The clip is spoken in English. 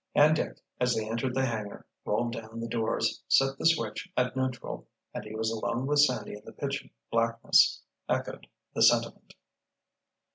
And Dick, as they entered the hangar, rolled down the doors, set the switch at neutral and he was alone with Sandy in the pitchy blackness, echoed the sentiment.